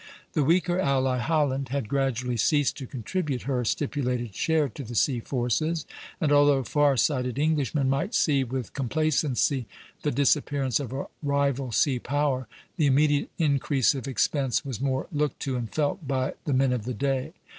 The weaker ally, Holland, had gradually ceased to contribute her stipulated share to the sea forces; and although far sighted Englishmen might see with complacency the disappearance of a rival sea power, the immediate increase of expense was more looked to and felt by the men of the day.